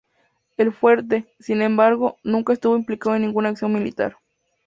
El fuerte, sin embargo, nunca estuvo implicado en ninguna acción militar.